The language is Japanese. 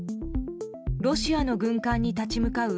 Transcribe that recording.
ロシアの軍艦に立ち向かう